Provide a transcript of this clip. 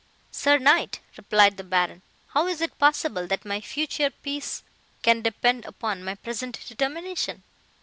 "'Sir knight,' replied the Baron, 'how is it possible, that my future peace can depend upon my present determination?